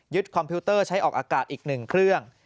คอมพิวเตอร์ใช้ออกอากาศอีก๑เครื่อง